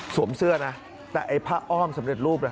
เสื้อนะแต่ไอ้ผ้าอ้อมสำเร็จรูป